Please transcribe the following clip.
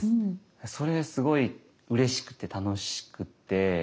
それすごいうれしくて楽しくて。